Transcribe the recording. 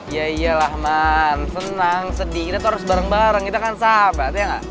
ya iyalah man senang sedih kita tuh harus bareng bareng kita kan sahabat ya